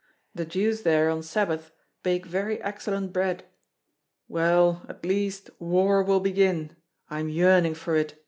The Jews there, on Sabbath, bake very excellent bread. Well, at least war will begin; I am yearning for it.